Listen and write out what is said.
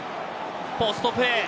ポストプレー。